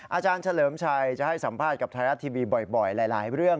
อาจารย์เฉลิมชัยจะให้สัมภาษณ์กับไทยรัฐทีวีบ่อยหลายเรื่อง